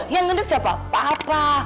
yang genit siapa papa